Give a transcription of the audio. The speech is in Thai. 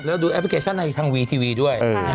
แล้วดูแอปพลิเคชันในทางวีทีวีด้วย